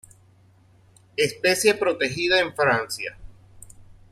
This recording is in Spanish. Especie protegida en Francia.